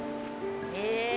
へえ。